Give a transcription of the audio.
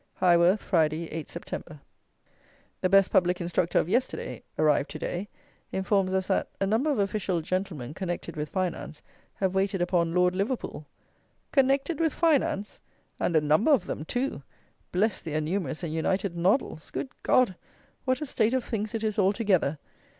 Highworth, Friday, 8th Sept. "The best public instructor" of yesterday (arrived to day) informs us that "A number of official gentlemen connected with finance have waited upon Lord Liverpool"! Connected with finance! And "a number" of them too! Bless their numerous and united noddles! Good God! what a state of things it is altogether!